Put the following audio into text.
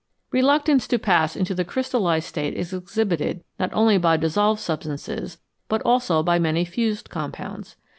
Reluctance to pass into the crystallised state is exhibited not only by dissolved substances, but also by many fused compounds.